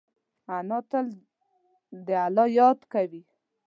انا تل د الله یاد کوي